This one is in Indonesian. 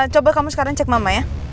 coba kamu sekarang cek mama ya